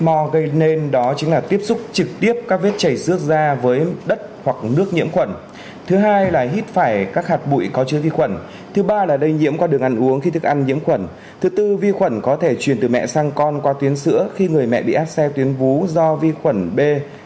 vi khuẩn whitmore gây nên đó chính là tiếp xúc trực tiếp các vết chảy xước da với đất hoặc nước nhiễm khuẩn thứ hai là hít phải các hạt bụi có chứa vi khuẩn thứ ba là đầy nhiễm qua đường ăn uống khi thức ăn nhiễm khuẩn thứ tư vi khuẩn có thể truyền từ mẹ sang con qua tuyến sữa khi người mẹ bị áp xe tuyến vú do vi khuẩn b